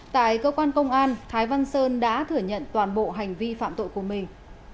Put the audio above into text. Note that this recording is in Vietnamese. tại cơ quan công an thái văn sơn đã thừa nhận toàn bộ hành vi phạm tội của mình